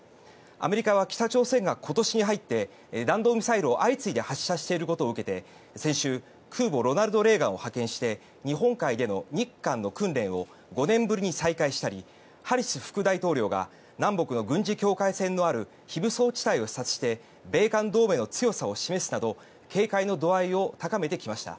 アメリカは北朝鮮が今年に入って弾道ミサイルを相次いで発射していることを受けて先週空母「ロナルド・レーガン」を派遣して日本海での日韓の訓練を５年ぶりに再開したりハリス副大統領が南北の軍事境界線のある非武装地帯を視察して米韓同盟の強さを示すなど警戒の度合いを高めてきました。